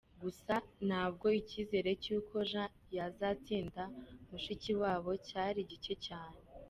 Gusa nabwo icyizere cy’uko Jean yazatsinda Mushikiwabo cyari gike cyane.